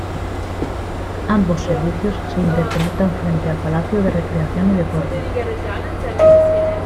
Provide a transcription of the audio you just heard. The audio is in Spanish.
Ambos servicios se interconectan frente al Palacio de Recreación y Deportes.